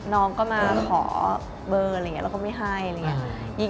น้องก็มาขอเบอร์อะไรอย่างงี้เราก็ไม่ให้